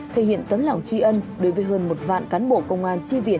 thể hiện tấn lòng tri ân đối với hơn một vạn cán bộ công an tri viện